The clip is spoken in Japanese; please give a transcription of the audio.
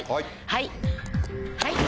はい！